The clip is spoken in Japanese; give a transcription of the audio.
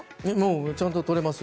ちゃんととれますよ。